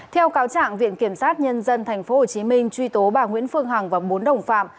theo cáo trạng viện kiểm sát nhân dân tp hcm truy tố bà nguyễn phương hằng và bốn đồng phạm